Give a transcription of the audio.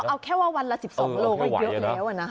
เอาแค่ว่าวันละ๑๒โลกไก็เกียรติแล้ว